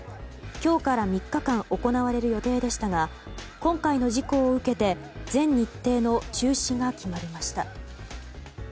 今日から３日間行われる予定でしたが今回の事故を受けて全日程の中止が決まりました。